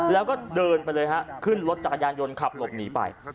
แล้วก็เดินไปเลยฮะขึ้นรถจักรยานยนต์ขับหลบหนีไป